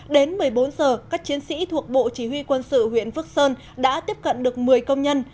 đến một mươi bốn giờ các chiến sĩ thuộc bộ chỉ huy quân sự huyện phước sơn đã tiếp cận được một mươi công nhân